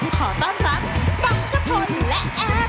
ขอต้อนรับปังกะพลและแอร์พันธิลา